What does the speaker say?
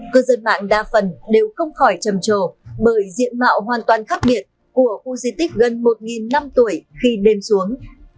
cư dân mạng đa phần đều không khỏi trầm trồ bởi diện mạo hoàn toàn khác biệt của khu di tích gần một năm tuổi khi đêm xuống